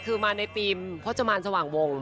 คือมาในฟีร์มเพื่อจะมาในสหว่างวง